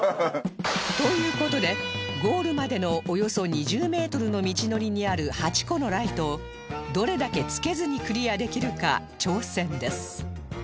という事でゴールまでのおよそ２０メートルの道のりにある８個のライトをどれだけつけずにクリアできるか挑戦です